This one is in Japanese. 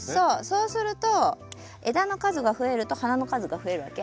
そうすると枝の数が増えると花の数が増えるわけ。